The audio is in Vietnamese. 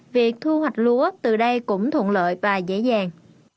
việc thu hoạch lúa từ đây cũng thuận lợi và dễ dàng